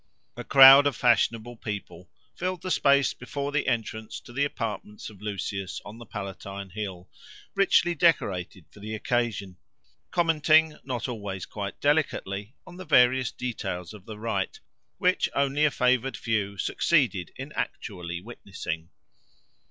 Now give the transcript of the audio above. A crowd of fashionable people filled the space before the entrance to the apartments of Lucius on the Palatine hill, richly decorated for the occasion, commenting, not always quite delicately, on the various details of the rite, which only a favoured few succeeded in actually witnessing.